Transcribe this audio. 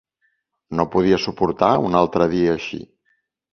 No podia suportar un altre dia així.